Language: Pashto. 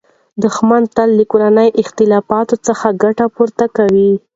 دښمن تل له کورنیو اختلافاتو څخه ګټه پورته کوي.